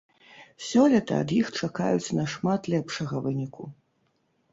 Сёлета ад іх чакаюць нашмат лепшага выніку.